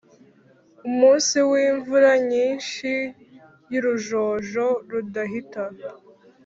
umunsi wimvura nyinshi yurujojo rudahita